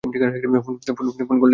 Phone করলেই তো তুলবে।